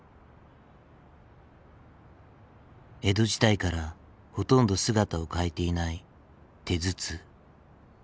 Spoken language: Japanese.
江戸時代からほとんど姿を変えていない手筒。